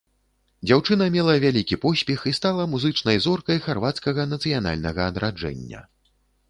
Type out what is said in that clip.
Дзяўчына мела вялікі поспех і стала музычнай зоркай харвацкага нацыянальнага адраджэння.